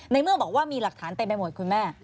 เมื่อบอกว่ามีหลักฐานเต็มไปหมดคุณแม่